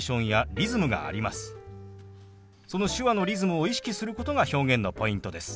その手話のリズムを意識することが表現のポイントです。